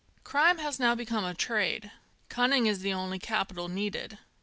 Crime has now become a trade. Cunning is the only capital needed.